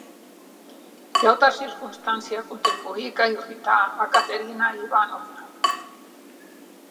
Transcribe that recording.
Ua auta circonstància contribuic a irritar a Caterina Ivanovna.